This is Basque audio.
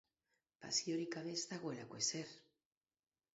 Pasiorik gabe ez dagoelako ezer.